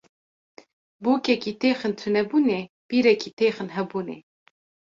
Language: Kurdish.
Bûkekî têxin tunebûnê, pîrekî têxin hebûnê